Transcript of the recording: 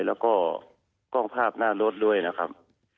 แล้วก็กล้องภาพหน้ารถด้วยนะครับ